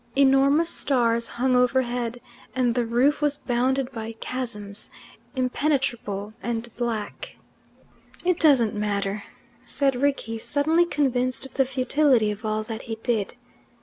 Enormous stars hung overhead, and the roof was bounded by chasms, impenetrable and black. "It doesn't matter," said Rickie, suddenly convinced of the futility of all that he did.